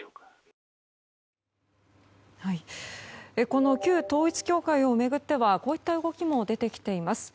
この旧統一教会を巡ってはこういった動きも出てきています。